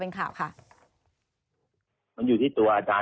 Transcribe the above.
เพราะว่าตอนแรกมีการพูดถึงนิติกรคือฝ่ายกฎหมาย